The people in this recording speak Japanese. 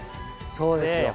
そうですよ。